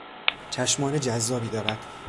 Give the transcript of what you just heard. چشمان جذابی دارد.